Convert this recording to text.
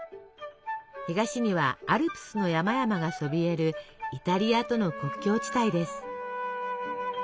東にはアルプスの山々がそびえるイタリアとの国境地帯です。